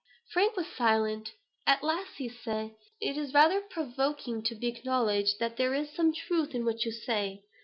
Frank was silent. At last he said: "It is rather provoking to be obliged to acknowledge that there is some truth in what you say.